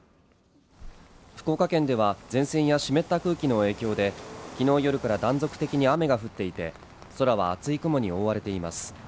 福岡県では前線や湿った空気の影響できのう夜から断続的に雨が降っていて空は厚い雲に覆われています